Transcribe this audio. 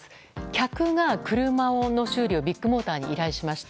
客が車の修理をビッグモーターに依頼しました。